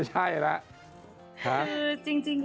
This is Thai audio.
จริง